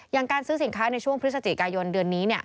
การซื้อสินค้าในช่วงพฤศจิกายนเดือนนี้